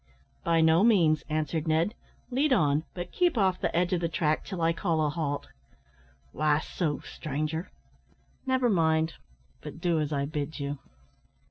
"By no means," answered Ned, "lead on; but keep off the edge of the track till I call a halt." "Why so, stranger?" "Never mind, but do as I bid you."